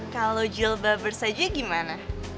kalau jilbabers aja gimana